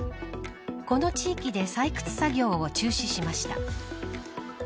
この地域で採掘作業を中止しました。